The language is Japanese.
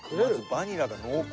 バニラが濃厚。